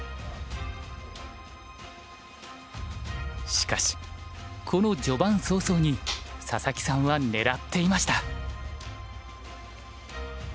しかしこの序盤早々に佐々木さんは狙っていました。